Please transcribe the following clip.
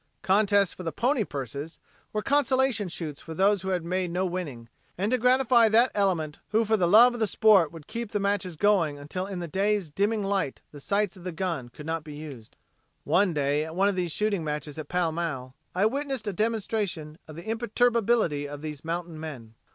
Contests for the "pony purses" were consolation shoots for those who had made no winning, and to gratify that element who for the love of the sport would keep the matches going until in the day's dimming light the sights of the gun could not be used. One day at one of these shooting matches at Pall Mall I witnessed a demonstration of the imperturbability of these mountain men.